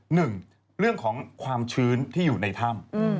หนึ่งเรื่องของความชื้นที่อยู่ในถ้ำ